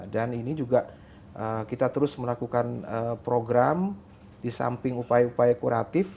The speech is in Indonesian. dan ini juga kita terus melakukan program di samping upaya upaya kuratif